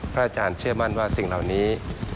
อาจารย์เชื่อมั่นว่าสิ่งเหล่านี้